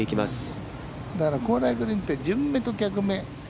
だから、高麗グリーンって、順目と逆目。